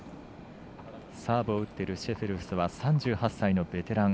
サーブを打っているシェフェルスは３８歳のベテラン。